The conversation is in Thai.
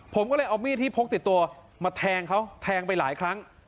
ผมก็เลยเอามีดที่พกติดตัวมาแทงเขาแทงไปหลายครั้ง